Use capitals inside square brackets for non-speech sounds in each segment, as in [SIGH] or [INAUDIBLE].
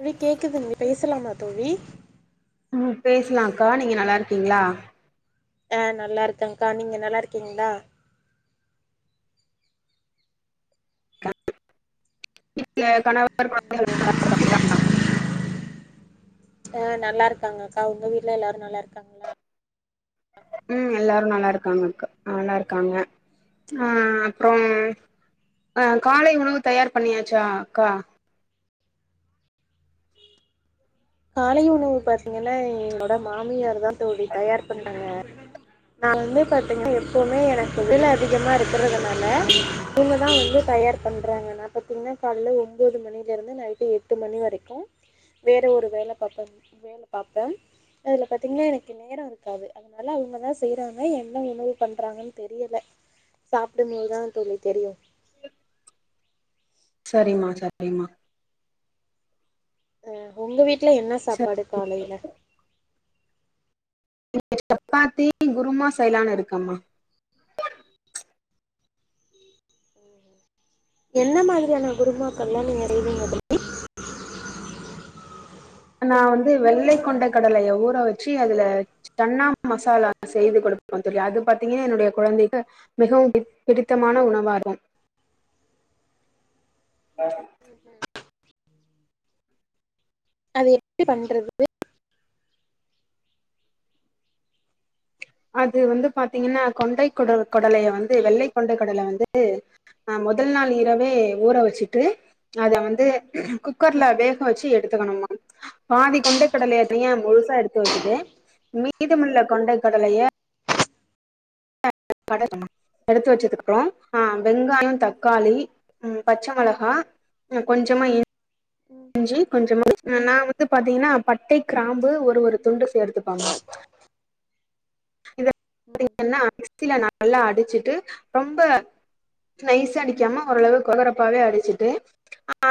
இன்னைக்கு கேக்குதுங் பேசலாமா தோழி ம் பேசலாங்க்கா நீங்க நல்லா இருக்கீங்களா ஆ நல்லா இருக்கங்கா நீங்க நல்லா இருக்கீங்களா [INAUDIBLE] என் கணவர் [INAUDIBLE] ஆ நல்லாருக்காங்க அக்கா உங்க வீட்ல எல்லா நல்லாருக்காங்களா ம் எல்லாரு நல்லாருக்காங்க நல்லாருக்காங்க ஆ அப்புறம் ஆ காலை உணவு தயார் பண்ணியாச்சா அக்கா காலை உணவு பாத்தீங்கன்னா என்னோட மாமியார் தான் தோழி தயார் பண்னாங்க நான் வந்து பாத்தீங்கன்னா எப்பவுமே எனக்கு தொழில் அதிகமா இருக்கறதுனால இவங்கதான் வந்து தயார் பண்றாங்க நா பாத்தீங்கன்னா காலைல ஒம்போது மணிலருந்து நைட்டு எட்டு மணி வரைக்கு வேறு ஒரு வேல பாப்ப வேல பாப்ப அதுல பாத்தீங்கன்னா எனக்கு நேரோ இருக்காது அதனால அவுங்கதா செய்றாங்க என்ன உணவு பண்றாங்கன்னு தெரியல சாப்டும்போதுதா தோழி தெரியு சரிம்மா சரிம்மா அ உங்க வீட்ல என்ன சாப்பாடு காலையில இங்க சப்பாத்தி குருமா சைலானு இருக்கம்மா என்ன மாதிரியான குருமாக்கல்லா நீங்க அரைவீங்க தோ நா வந்து வெள்ளை கொண்டை கடலைய ஊற வெச்சு அதுல சன்னா மசாலா செய்து கொடுப்ப தோழி அது பாத்தீங்கன்னா என்னுடைய குழந்தைக்கு மிகவும் பி பிடித்தமான உணவாகு அது எப்டி பண்றது அது வந்து பாத்தீங்கன்னா கொண்டை குட கொடலைய வந்து வெள்ளை கொண்டை கொடல வந்து ஆ முதல் நாள் இரவே ஊற வெச்சிட்டு அத வந்து குக்கர்ல வேக வெச்சு எடுத்துக்கணுமா பாதி கொண்ட கடல இருக்குல்லயா முழுசா எடுத்து வெச்சுட்டு மீதமுல்ல கொண்டை கடலைய ம் [INAUDIBLE] எடுத்து வெச்சதுக்கப்புறோ வெங்காயோ தக்காளி பச்ச மிளகா கொஞ்சமா இஞ் ம் ம் நா வந்து பாத்தீங்கன்னா பட்டை கிராம்பு ஒரு ஒரு துண்டு சேர்த்துப்பம்மா இத ம் [INAUDIBLE] மிக்ஸில நல்லா அடிச்சுட்டு ரொம்ப நைஸா அடிக்காம ஓரளவு கொரகொரப்பாவே அடிச்சுட்டு ஆ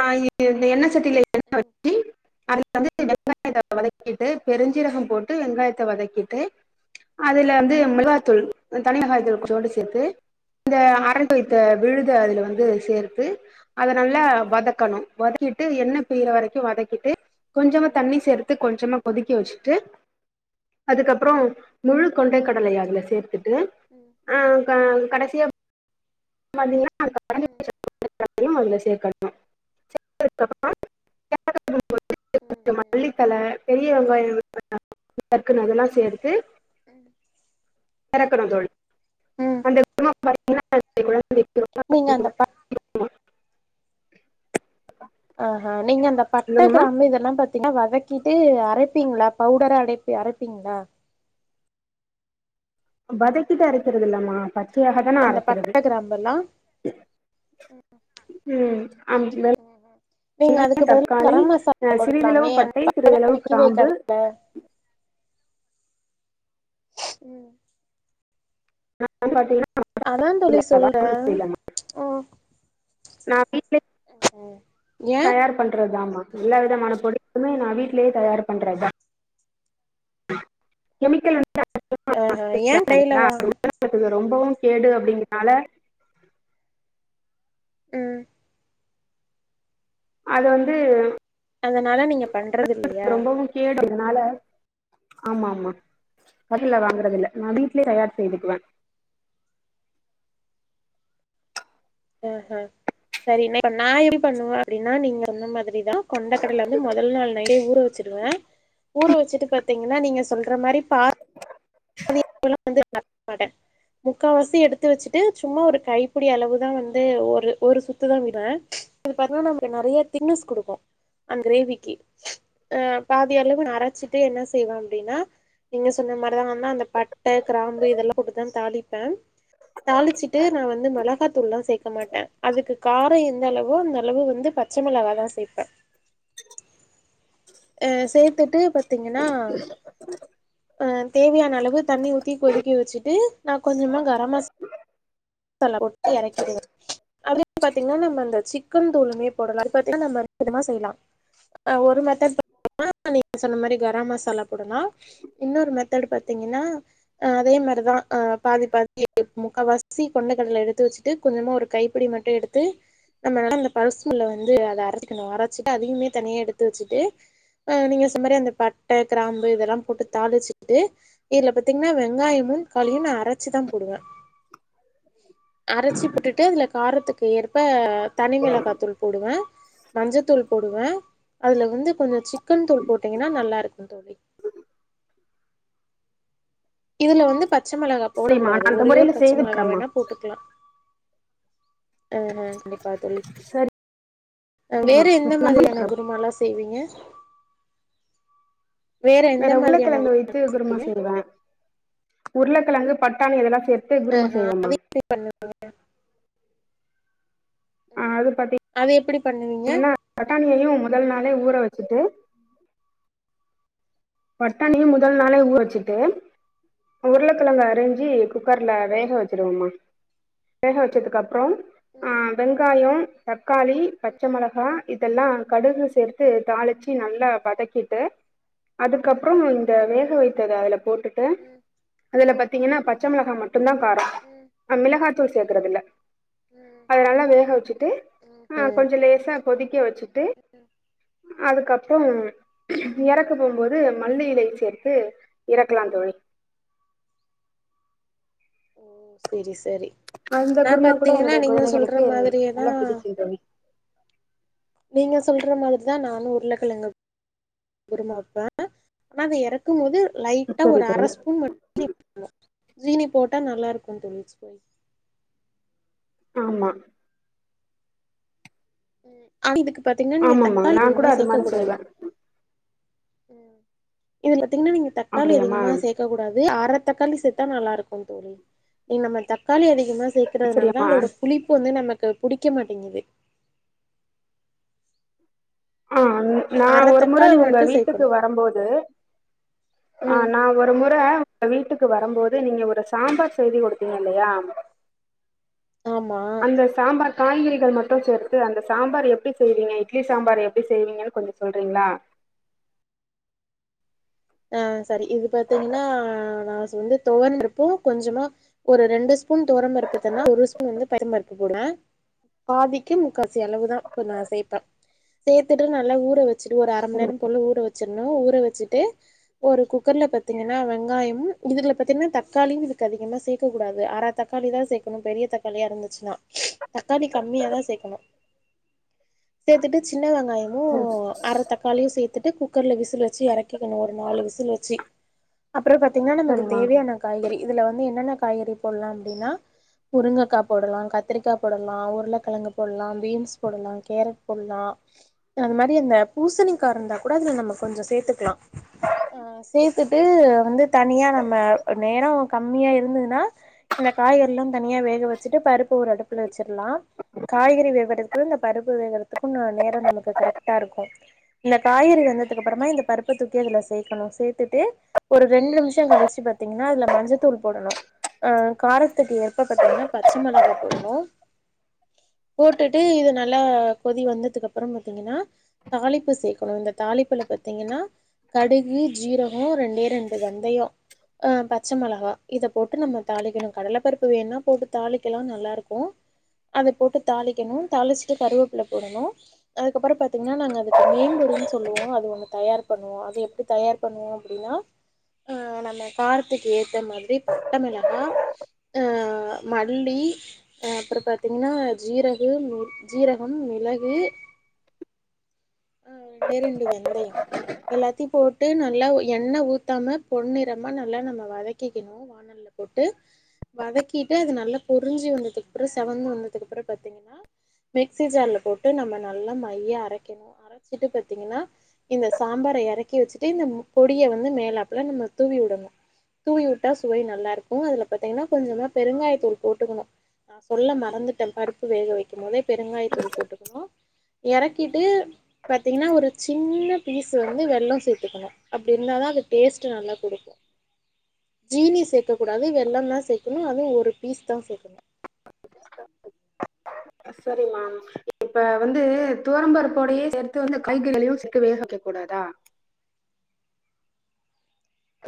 எண்ண சட் சட்டில எண்ண ம் ம் வச்சு அத வந்து வெங்காயத்த வதக்கிட்டு ம் பெருஞ்சீரகம் போட்டு வெங்காயத்த வதக்கிட்டு அதுல வந்து மிளகாய் தூள் தனி ம் மிளகாயத்தூள் கொஞ்சோண்டு சேர்த்து அந்த அரைத்து வைத்த விழுத அதுல வந்து ம் ம் ம் சேர்த்து அத நல்லா வதக்கணு வதக்கிட்டு எண்ணெய் பீரியிற வரைக்கு வதக்கிட்டு கொஞ்சமா தண்ணி சேர்த்து கொஞ்சமா கொதிக்கவச்சுட்டு அதுக்கப்பறோ முழு கொண்டை கடலை அதுல சேர்த்துட்டு ம் ஆ கடைசியா பார்த்தீங்கனா ம் [INAUDIBLE] அதுல சேர்க்கணு சேத்துக்கு அப்றோ கேரட் போட்டு கொஞ்சமா ம் மல்லிதள பெரிய வெங்காயம் டக்குன்னு அதெல்லா சேர்த்து ம் இறக்கனு தோழி அந்த [INAUDIBLE] நீங்க அந்த ப ஆஹா நீங்க அந்த பட்ட சொல்லுங்கம்மா கிராம்பு இதெல்லா பத் எல்லா வதக்கிட்டு அரைப்பிங்ளா பவுடரா அடைப்பி அரைப்பீங்ளா வதக்கிட்டு அரைக்கிறது இல்லம்மா பச்சையாகதா நா அந்த அரைக்கிறது பட்ட கிராம்பெல்லா ம் ம் நீங்க வெங்காய அதுக்கு பதிலா தக்காளி கரம் சிறிதளவு மசாலாமே அந்த பட்டை சிறிதளவு விக்கிவே கிராம்பு உம் வந்து பார்த்தீங்கனா அதா தோழி சொல்ற நா வீட்ல ஏ தயார் பண்றதமா எல்லா விதமான பொடியுமே நா வீட்லயே தயார் பண்றது தா கெமிக்கல் வந்து ஆஹ ஏன் கைலவா இது ரொம்பவு கேடு அப்டிங்கறனால ம் அது வந்து அதனால நீங்க பண்றது இல்லையா ரொம்பவும் கேடு அதுனால ஆமா ஆமா கடையில வாங்கறதில்ல நா வீட்லே தயார் செய்துக்குவ ம் ஹ செரி இப்ப நா எப்டி பண்ணுவ அப்டின்னா நீங்க சொன்ன மாதிரிதா கொண்ட கடல வந்து மொத நாள் நைட்டே ஊற வ ச்சிருவ ஊர வச்சுட்டு பாத்தீங்னா நீங்க சொல்ற மாரி பா இப்பெல்லா வந்து ஆர்டர் பண்ண மாட்ட முக்காவாசி எடுத்து வச்சுட்டு சும்மா ஒரு கைப்பிடி அளவுதா வந்து ஒரு ஒரு சுத்துதா விடுவ இது பாத்தீங்னா நமக்கு நறைய தின்னெஸ் குடுக்கு ஆ கிரேவிக்கு அ பாதி அளவு அரச்சிட்டு என்ன செய்வ அப்டின்னா நீங்க சொன்ன மாரிதா வந்து அந்த பட்டை கிராம்பு இதெல்லா போட்டுதா தாளிப்ப தாளிச்சிட்டு நா வந்து மிளகாத்தூள்லா சேர்க்க மாட்ட அதுக்கு காரம் எந்த அளவோ அந்த அளவு வந்து ப ச்ச மெளகா தா சேப்ப சேர்த்துட்டு பார்த்தீங்கனா அ தேவையான அளவு தண்ணி ஊத்தி கொதிக்க வெச்சுட்டு நா கொஞ்சமா கரம் மசா லா போட்டு எறக்கிடுவே அதுலயே பாத்தீங்கன்னா நம்ம இந்த சிக்கன் தூளுமே போடலா அது பத்தீங்கன்னா நம்ம விதவிதமா செய்யலா ஒரு ஒரு மெத்தட் பாத்திங்கன்னா நீங்க சொன்ன மாரி கரம் மசாலா போடலா இன்னொரு மெத்தட் பாத்தீங்கன்னா அதே மாரிதா ஆ பாதி பாதி முக்கா வாசி கொண்ட கடல எடுத்து வெச்சு கொஞ்சமா ஒரு கைப்பிடி மட்டு எடுத் து நம்ம அந்த பல்ஸ் மோட்ல வந்து அத அரைச்சிக்கணு அரைச்சிட்டு அதியுமே தனியா எடுத்து வெச்சுட்டு ஆ நீங்க மாரி அந்த பட்ட கிராம்பு இதெல்லாம் போட்டு தாளிச்சுட்டு இதுல பத் பாத்திங்கன்னா வெங்காயமு களியும் நா அரைச்சி தா போடுவ அரைச்சி போட்டுட்டு அதுல காரத்துக்கு ஏற்ப தனிமிளகாதூள் போடுவே மஞ்சத்தூள் போடுவே அதுல வந்து கொஞ்சோ சிக்கன் தூள் போட்டீங்கன்னா நல்லா இருக்கும் தோழி இதுல வந்து பச்ச மிளகா போட சரிம்மா நா கூடாது அந்த ஒரே ஒரு முறையில பச்ச மிளகா செய்துக்கிறேம்மா வேணா போட்டுக்கலா அ அ கண்டிப்பா தோழி சரி வேற எந்த நம்பி மாதிரியான குருமாலா செ செய்வீங்க எந்த வேற மாதிரியான உருளைக்கிழங்கு வைத்து குருமா செய்வே உருளைக்கிழங்கு பட்டாணி இதெல்லா சேத் ஆ ஹா அத எப்டி பண்ணிவீங்க ஆ அது ம் அது எப்படி பண்ணுவீங்க பாத்தீங்கன்னா பட்டாணியையும் முதல் நாளே ஊற வெச்சிட்டு பட்டாணியு முதல் நாளே ஊற வெச்சுட்டு உருளக்கெழங்க அறிஞ்சி குக்கர்ல வேக வெச்சிடுவோமா வேக வெச்சதுக்கு அப்றோ ஆ வெங்காயோ தக்காளி பச்ச மிளகா இதெல்லா கடுகு சேர்த் த்து தாளிச்சி நல்லா வதக்கிட்டு அதுக்கப்பறம் இந்த வேக வைத்த அத அதுல போட்டுட்டு அதுல பாத்தீங்கன்னா பச்ச மிளகா மட் மட்டும்தா காரோ அ மிளகாத்தூள் சேக்கறதில்ல அத நல்லா வேக வெச்சுட்டு அ கொஞ்சோ லேஸா கொதிக்க வெச்சுட்டு அதுக்கப் அப்றம் எறக்க போம்போது மல்லிய சேத்து எறக்கலாம் தோழி சேரி சேரி அந்த நா குருமா கூட பாத்தீங்கன்னா என்னுடைய நீங்க சொல்ற குழந்தைகளுக்கு மாதிரியேதா நல்லா பிடிக்கும் தோழி நீங்க சொல்ற மாதிரிதான் நானு உருளக்கெழங்க குருமா வெப்பே ஆனா அத எறக்கும் போது லைட்டா சரி ஒரு தோழி அரஸ்பூன் மட்ட ஜீனி போடுவோ ஜீனி போட்டா நல்லா இருக்கும் தோழி ஆமா அ இதுக்கு பாத்தீங்கன்னா நீங்க ஆமாம்மா தக்காளி நா கூட அதிகமா அது சேக்க மாரி கூடாது செய்வே இதுல பாத்தீங்கன்னா நீங்க தக்காளி அப்படியாம்மா அதிகமா சே கூடாது அர தக்காளி சேத்தா நல்லா இருக்கு தோழி நீ நம்ம தக்காளி அதிகமா சேத் க்கிறதுனால தா சரியாம்மா அதோட புளிப்பு வந்து நமக்கு பிடிக்க மாட்டேங்குது ஆ அது நா அர ஒரு முற தக்காளி உங்க மட்டு வீட்டுக்கு சேக்கணு வரும்போது ஆ ம் நா ஒரு முற வீட்டுக்கு வரும்போது நீங்க ஒரு சாம்பார் செய்தி குடுத்தீங்க இல்லையா ஆமா அந்த சாம்பார் காய்கறிகள் மட்டு சேர்த்து அந்த சாம்பார் எப்டி செய்வீங்க இட்லி சாம்பார் எப் ப்டி செய்வீங்கங்கன்னு கொஞ்சோ சொல்றீங்ளா ஆ சரி இது பாத்தீங்கன்னா நா செ வந்து துவரம் பருப்பு கொஞ்சமா ஒரு ரெண்டு ஸ்பூன் தோரம் பருப்பு தன்னா ஒரு ஸ்பூன் வந்து பயித்தம் பருப்பு போடுவே பாதிக்கு முக்காசி அளவுதா இப்ப நா சேப்பே சேத்துட்டு நல்லா ஊரவச் வச்சிட்டு ஒரு அர மணி நேரம் போல்ல ஊற வெச்சிருணு ஊற வெச்சிட்டு ஒரு குக்கர்ல பாத்தீங்கன்னா வெங்காயம் இதுகுல பத்தீங்கன்னா தக்காளியும் இதுக்கு அதிகமா சேக்கக்கூடாது அர தக் காளிதா சேக்கணு பெரிய தக்காளியா இருந்துச்சுன்னா தக்காளி கம்மியாதா சேக்கணு. [INAUDIBLE] சேத்துட்டு சின்ன வெங்காயமு ம். ம் தக்காளியு சேத்துட்டு குக்கர்ல விசில் வெச்சி எறக்கிக்கணு ஒரு நாலு விசில் வெச்சி. அப்புறோ பாத்தீங்ன்னா நமக்கு சரிம்மா தேவையான காய்கறி இதுல வந்து என்னென்ன காய்கறி போல்லா அப்டின்னா முருங்கக்கா போடலா கத்திரிக்கா போடலா உருளக்கெழங்கு போல்லா பீன்ஸ் போடலா கேரட் போல்லா ம் அந்மாரி அந்த பூசணிக்கா இருந்தா கூட அதுல நம்ம கொஞ்சோ சேத்துக்லா. அ ஆ சேத்துட்டு வந்து தனியா நம்ம நேரோ கம்மியா இருந்துதுனா இந்த காய்கறில்லா தனியா வேக வெச்சுட்டு பருப்பு ஒரு அடுப்புல வெச்சிர்லா காய்கறி வேவற க்கு இந்த பருப்பு வேகறதுக்கு ந நேரோ நமக்கு கரெக்ட்டா இருக்கு இந்த காய்கறி வெந்ததுக்கு அப்பறமா இந்த பருப் ப தூக்கி அதுல சேக்கணு சேத்துட்டு ஒரு ரெண்டு நிம்ஷ கழிச்சு பாத்தீங்கனா அதுல மஞ்சத்தூள் போடணு. அ காரத்துக்கு ஏற்ப பாத்தீங்கனா பச்ச மிளகா போடணு. போட்டுட்டு இது நல்லா கொதி வந்தத்துக்கு அப்புறம் பாத்தீங்கன்னா தாளிப்பு சேக்கணு இந்த தாளிப்புல பாத்தீங்கன்னா கடுகு ஜீரகோ ரெண்டே ரெண்டு வெந்தயோ அ பச்சை மெளகா இத போட்டு நம்ம தாளிக்கணு கடலப்பருப்பு வேண்ணா போட்டு தாளிக்கலா நல்லாருக்கு. அதை போட்டு தாளிக்கணு. தாளிச்ட்டு கருவேப்பில்ல போடணு. அதுக்கப்புறோ பாத்திங்னா நாங்க அதுக்கு மேம்பொடின் சொல்லுவோ அது ஒன்னு தயார் பண்ணுவோ அது எப்டி தயார் பண்ணுவோ அப்டின்னா அ நம்ம காரத்துக்கு ஏத்த மாதிரி பட்ட மிளகா. அ மல்லி அ அப்புறோ பாத்திங்கன்னா ஜீரகு நுல் ஜீரகம், மிளகு அ ரெண்டே ரெண்டு வெந்தயோ எல்லாத்தையு போ ட்டு நல்லா எண்ண ஊத்தாம பொன்னிறமா நல்லா நம்ம வதக்கிக்கிணு வானல்ல போட்டு வதக்கிட்டு அது நல்லா பொரிஞ்சு வந்ததுக்ப்புற செவந்து வந்ததுக்கப்புற பாத்தீங்கன்னா மிக்சி ஜார்ல போட்டு நம்ம நல்லா மைய அரைக்கணு அரைச்சிட்டு பாத்தீங்கன்னா இந்த சாம்பார எறக்கி வெச்சுட்டு இந்தம் பொடிய வந்து மேலாப்புல நம்ம தூவி விடணு. தூவி உட்டா சுவை நல்லா இருக்கு அதுல பாத்தீங்கன்னா கொஞ்சமா பெருங்காய தூள் போட்டுக்குணு. நா சொல்ல மறந்துட்டே பருப்பு வேக வெக்கும் போதே பெருங்காய தூள் போட்டுக்குணு எறக்கிட்டு பாத்தீங்கன்னா ஒரு சின்ன பீஸு வந்து வெல்லோ சேத்துக்குணு. அப்டி இருந்தாதா அது டேஸ்ட்டு நல்லா குடுக்கு. ஜீனி சேக்கக்கூடாது வெல்லந்தா சேக்குணு அது ஒரு பீஸ் தா சேக்குணு. [INAUDIBLE] செரிம்மா இப்ப வந்து துவரம்பருப்போடையே சேர்த்து வந்து காய்கறிகளையு [INAUDIBLE] வேக வெக்ககூடாதா?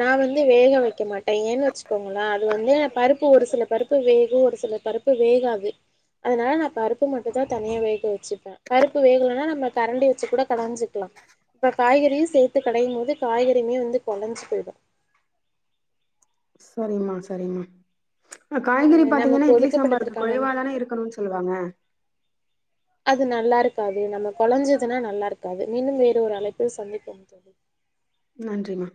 நா வந்து வேக வெக்க மாட்டே ஏன்னு வெச்சுக்கோங்களே அது வந்தே பருப்பு ஒரு சில பருப்பு வேகு ஒரு சில பருப் பு வேகாது அதனால நா பருப்பு மட்டு தா தனியா வேக வெச்சுப்பே. பருப்பு வேகலனா நம்ம கரண்டி வெச்சு கூட கடைஞ்சிக்லா. இப்ப காய்கறியு சேத்து கடையும் போது காய்கறியுமே வந்து கொழைஞ்சு போய் ரு. சரிங்ம்மா சரிங்ம்மா. அ காய்கறி நமக்கு பாத்தீங்கனா இட்லி சாம்பாருக்கு ஒதுக்கப்பட்டதற்கான குழைவாதான இருக்கணுன் சொல்வாங்க. அது நல்லா இருக்காது நம்ம கொழைஞ்சதுனா நல்லாருக்காது. மீண்டும் வேறு ஒரு அழைப்பில் சந்திப்போம் தோழி. நன்றிம்மா